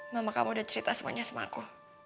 mama kamu udah cerita semuanya sama aku